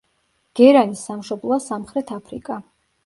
გერანის სამშობლოა სამხრეთ აფრიკა.